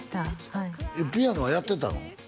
はいピアノはやってたの？